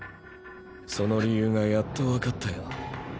その理由がやっとわかったよ。